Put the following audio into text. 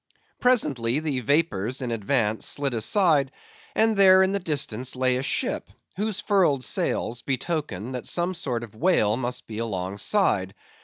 Presently, the vapors in advance slid aside; and there in the distance lay a ship, whose furled sails betokened that some sort of whale must be alongside.